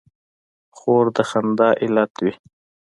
خور د خندا علت وي.